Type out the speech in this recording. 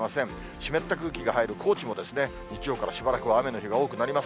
湿った空気が入る高知も日曜からしばらくは雨の日が多くなります。